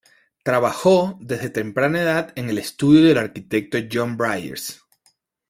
Trabajó desde temprana edad en el estudio del arquitecto John Byers.